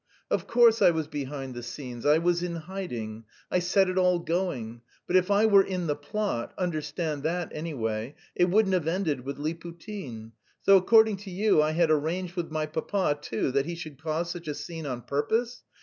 "Of course I was behind the scenes, I was in hiding, I set it all going. But if I were in the plot understand that, anyway it wouldn't have ended with Liputin. So according to you I had arranged with my papa too that he should cause such a scene on purpose?